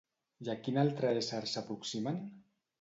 I a quin altre ésser s'aproximen?